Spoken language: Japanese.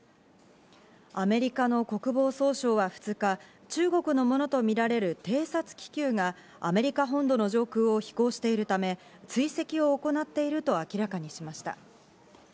アメリカの国防総省は２日、中国のものとみられる偵察気球がアメリカ本土の上空を飛行しているため、追跡を行っていると明らかにしました。